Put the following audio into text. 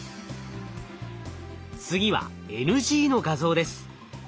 次はＮＧの画像です。